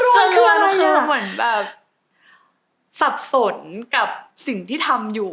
สะรวนคือเหมือนแบบสับสนกับสิ่งที่ทำอยู่